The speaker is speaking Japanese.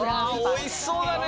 おいしそうだね。